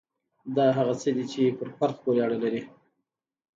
دا هغه څه دي چې پر فرد پورې اړه لري.